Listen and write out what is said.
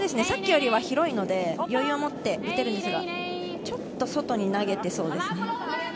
さっきよりは広いので、余裕を持って打てるのですが、ちょっと外に投げてそうですね。